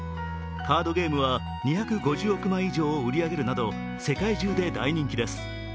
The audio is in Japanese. カードゲームは２５０億枚以上を売り上げるなど、世界中で大人気です。